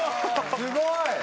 すごい！